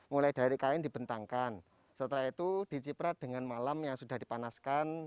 mulai dari kain dibentangkan setelah itu diciprat dengan malam yang sudah dipanaskan